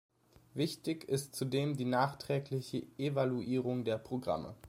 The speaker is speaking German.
Wichtig ist zudem die nachträgliche Evaluierung der Programme.